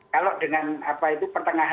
kalau dengan apa itu